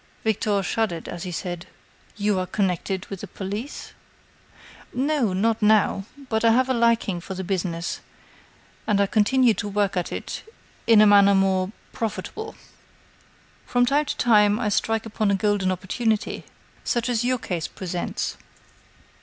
Victor shuddered as he said: "You are connected with the police?" "No, not now, but I have a liking for the business and I continue to work at it in a manner more profitable. From time to time I strike upon a golden opportunity such as your case presents."